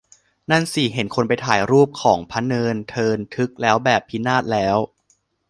นั่นสิ เห็นคนไปถ่ายรูปของพะเนินเทินทึกแล้วแบบ พินาศแล้ว